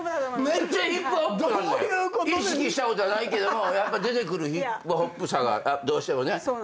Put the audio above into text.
意識したことはないけどもやっぱ出てくるヒップホップさがどうしてもね。